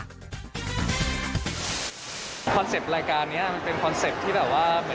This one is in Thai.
คอนเซ็ปต์รายการนี้มันเป็นคอนเซ็ปต์ที่แบบว่า